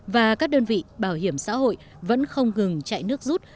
và các đơn vị bảo hiểm xã hội vẫn không ngừng chạy nước rút